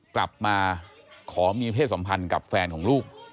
กลับมาขอมีเพศสัมพันธ์กับแฟนของลูก